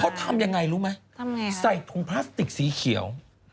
เขาทำยังไงรู้ไหมทำไงใส่ถุงพลาสติกสีเขียว